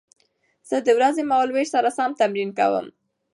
زه د ورځني مهالوېش سره سم تمرین کوم.